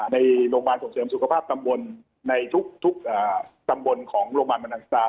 ในโรงพยาบาลส่งเสริมสุขภาพตำบลในทุกตำบลของโรงพยาบาลบรรนังซา